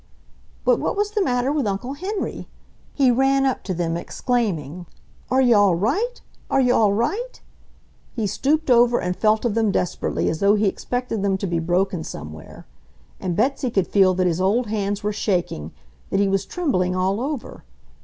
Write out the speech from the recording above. But what was the matter with Uncle Henry? He ran up to them, exclaiming, "Are ye all right? Are ye all right?" He stooped over and felt of them desperately as though he expected them to be broken somewhere. And Betsy could feel that his old hands were shaking, that he was trembling all over.